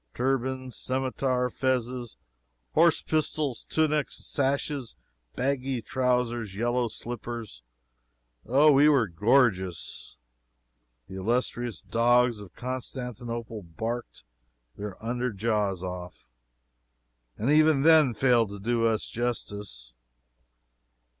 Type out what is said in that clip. Turbans, scimetars, fezzes, horse pistols, tunics, sashes, baggy trowsers, yellow slippers Oh, we were gorgeous! The illustrious dogs of Constantinople barked their under jaws off, and even then failed to do us justice.